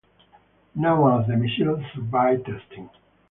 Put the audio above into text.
None of the missiles survived testing.